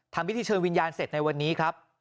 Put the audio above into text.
ทำพิธีเชิญวิญญาณเสร็จในวันนี้ครับ